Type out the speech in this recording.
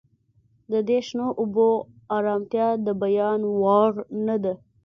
د دې شنو اوبو ارامتیا د بیان وړ نه ده